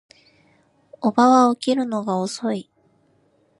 叔母は起きるのが遅い